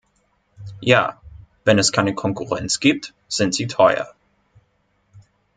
Ja, wenn es keine Konkurrenz gibt, sind sie teuer.